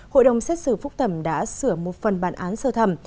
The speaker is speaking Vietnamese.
hội đồng xét xử phúc thẩm đã sửa một phần bản án sơ thẩm